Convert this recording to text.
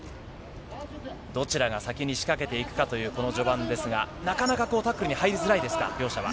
どちらが先に仕掛けていくかというこの序盤ですが、なかなかこう、タックルに入りづらいですか、両者は。